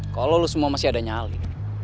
kalau lo semua masih ada nyali